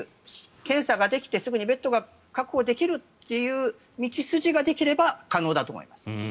検査ができてすぐにベッドが確保できるという道筋ができれば可能だと思います。